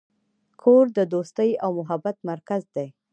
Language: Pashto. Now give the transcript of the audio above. کور د دوستۍ او محبت مرکز دی.